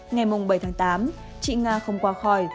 ngày bảy tám chị nga không qua khỏi